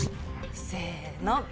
せの。